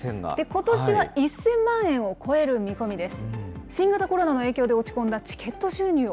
ことしは１０００万円を超える見込みです。